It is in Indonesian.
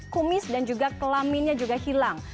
kumis dan juga kelaminnya juga hilang